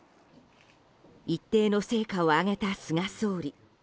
一定の成果を上げた菅総理。